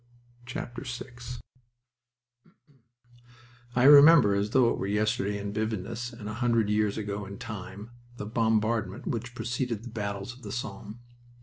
VI I remember, as though it were yesterday in vividness and a hundred years ago in time, the bombardment which preceded the battles of the Somme.